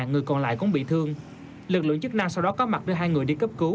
người còn lại cũng bị thương lực lượng chức năng sau đó có mặt đưa hai người đi cấp cứu